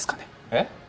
えっ？